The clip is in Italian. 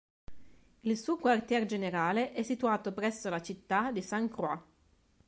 Il suo quartier generale è situato presso la citta di Saint Croix.